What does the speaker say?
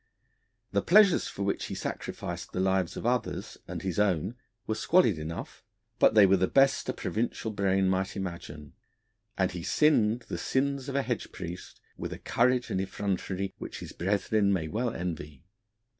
The pleasures for which he sacrificed the lives of others and his own were squalid enough, but they were the best a provincial brain might imagine; and he sinned the sins of a hedge priest with a courage and effrontery which his brethren may well envy.